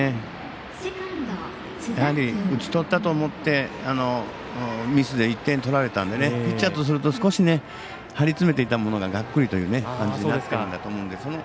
やはり打ち取ったと思ってミスで１点取られたのでピッチャーとすると少し張り詰めていたものががっくりという感じになってるんだと思うんです。